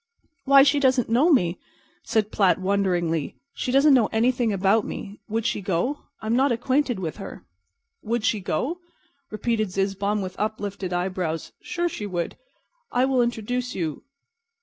"Why, she doesn't know me," said Platt, wonderingly. "She doesn't know anything about me. Would she go? I'm not acquainted with her." "Would she go?" repeated Zizzbaum, with uplifted eyebrows. "Sure, she would go. I will introduce you.